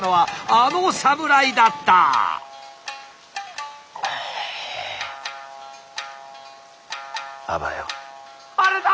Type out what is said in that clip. あれだ！